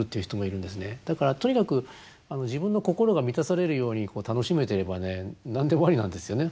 だからとにかく自分の心が満たされるように楽しめていれば何でもありなんですよね